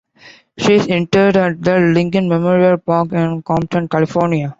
She is interred at the Lincoln Memorial Park, in Compton, California.